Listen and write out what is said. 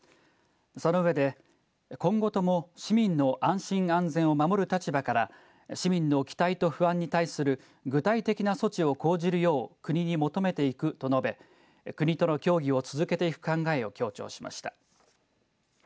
その上で今後とも市民の安心、安全を守る立場から市民の期待と不安に対する具体的な措置を講じるよう国に求めていくと述べ国との協議を続けていく考えを強調しました。